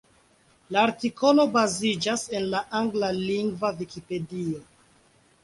La artikolo baziĝas en la anglalingva Vikipedio,